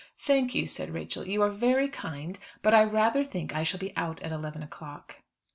"Thank you," said Rachel, "you are very kind, but I rather think I shall be out at eleven o'clock."